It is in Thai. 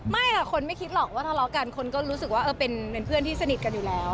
ไม่ค่ะคนไม่คิดหรอกว่าทะเลาะกันคนก็รู้สึกว่าเป็นเพื่อนที่สนิทกันอยู่แล้ว